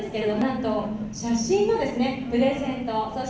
เพราะว่าคุณเจ๊กำลังเต็มดู